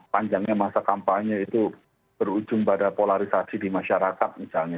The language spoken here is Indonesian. panjangnya masa kampanye itu berujung pada polarisasi di masyarakat misalnya